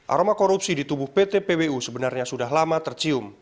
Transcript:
aroma korupsi di tubuh pt pwu sebenarnya sudah lama tercium